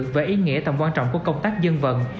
về ý nghĩa tầm quan trọng của công tác dân vận